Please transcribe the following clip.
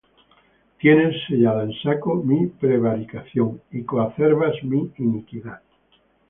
Tienes sellada en saco mi prevaricación, Y coacervas mi iniquidad.